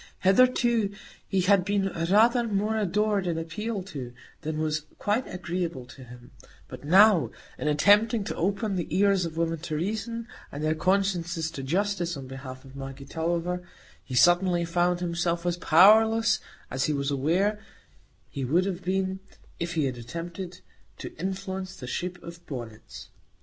Hitherto he had been rather more adored and appealed to than was quite agreeable to him; but now, in attempting to open the ears of women to reason, and their consciences to justice, on behalf of Maggie Tulliver, he suddenly found himself as powerless as he was aware he would have been if he had attempted to influence the shape of bonnets.